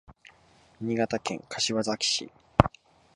新潟県柏崎市